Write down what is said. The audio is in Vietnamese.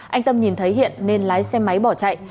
anh tâm nhìn thấy hiện nên lái xe máy bỏ chạy